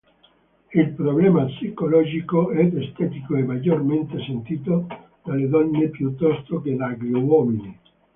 Il problema psicologico ed estetico è maggiormente sentito dalle donne piuttosto che dagli uomini.